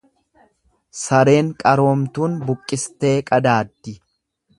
Sareen qaroomtuun buqqistee qadaaddi.